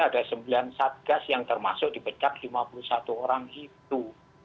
ada sembilan satgas yang termasuk dipecat lima puluh satu orang itu